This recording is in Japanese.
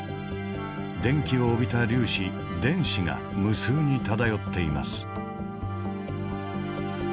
電気を帯びた粒子電子が無数に漂っています。